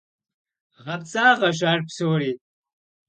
ГъэпцӀагъэщ ар псори.